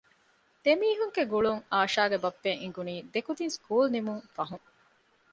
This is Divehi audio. ދެމީހުންގެ ގުޅުން އާޝާގެ ބައްޕައަށް އެނގުނީ ދެކުދިން ސްކޫލް ނިމުން ފަހުން